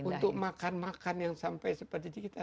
untuk makan makan yang sampai seperti kita